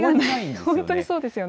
本当にそうですよね。